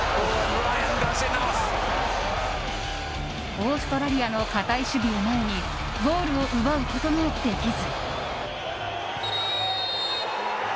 オーストラリアの堅い守備を前にゴールを奪うことができず。